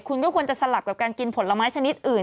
คุณก็ควรจะสลับกับการกินผลไม้ชนิดอื่น